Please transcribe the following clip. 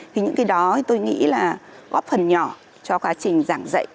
thì những cái đó tôi nghĩ là góp phần nhỏ cho quá trình giảng dạy